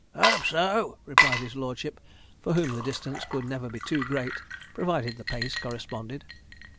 'Hope so,' replied his lordship, for whom the distance could never be too great, provided the pace corresponded.